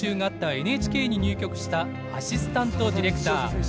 ＮＨＫに入局したアシスタントディレクター。